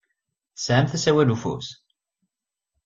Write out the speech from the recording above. Tesɛamt asawal n ufus?